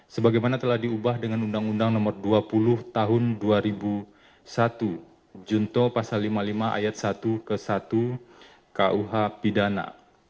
sebagaimana telah diubah dengan undang undang nomor dua puluh tahun dua ribu satu junto pasal lima puluh lima ayat satu ke satu kuh pidana